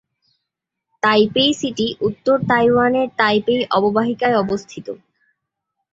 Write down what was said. Taipei city উত্তর তাইওয়ানের Taipei অববাহিকায় অবস্থিত।